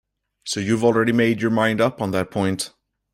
So you have already made your mind up on that point!